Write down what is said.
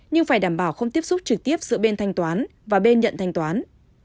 nhưng phải đảm bảo không tiếp xúc trực tiếp giữa bên thanh toán và bên nhận thanh toán